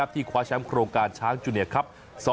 คว้าแชมป์โครงการช้างจูเนียครับ